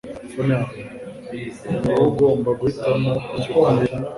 ni wowe ugomba guhitamo icyo gukora